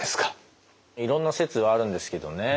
いろんな説はあるんですけどね。